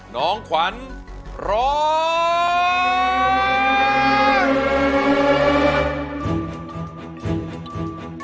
น้องขวัญร้อง